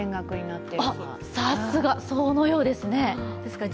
あっ、さすがそのようですね！